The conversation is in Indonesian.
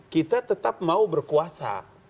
kita tetap mau berkuasa